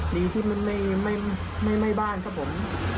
ดีที่มันไม่บ้านครับผม